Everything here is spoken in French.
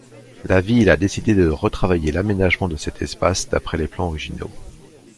La ville a décidé de retravailler l'aménagement de cet espace d’après les plans originaux.